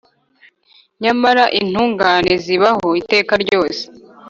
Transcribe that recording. Nyamara intungane zibaho iteka ryose,